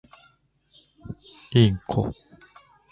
インコ